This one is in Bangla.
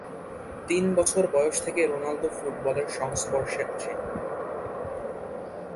তিন বছর বয়স থেকে রোনালদো ফুটবলের সংস্পর্শে আসেন।